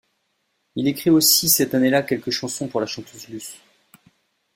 Il écrit aussi cette année-là quelques chansons pour la chanteuse Luce.